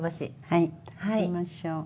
はい食べましょう。